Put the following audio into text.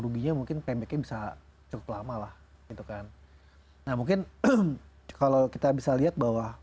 ruginya mungkin pendeknya bisa cukup lama lah gitu kan nah mungkin kalau kita bisa lihat bahwa